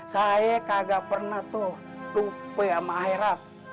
saya kagak pernah tuh lupai sama akhirat